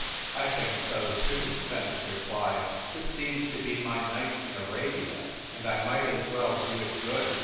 "I think so, too," Fenton replied, "this seems to be my night in Arabia, and I might as well do it good.